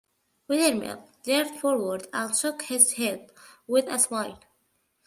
Wethermill leaned forward and shook his head with a smile.